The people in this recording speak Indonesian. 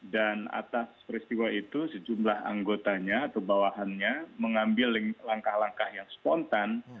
dan atas peristiwa itu sejumlah anggotanya atau bawahannya mengambil langkah langkah yang spontan